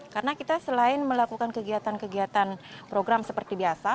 karena kita selain melakukan kegiatan kegiatan program seperti biasa